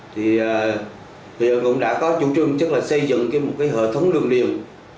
thì hiện cũng đã có chủ trương chức là xây dựng một hệ thống đường điền